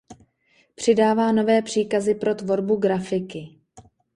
Přidává nové příkazy pro tvorbu grafiky.